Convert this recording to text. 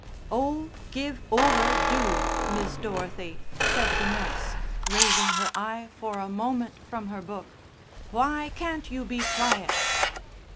"Oh, give over, do, Miss Dorothy!" said the nurse, raising her eye for a moment from her book. "Why can't you be quiet?"